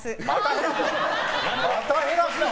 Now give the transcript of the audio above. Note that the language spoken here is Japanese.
また減らすの？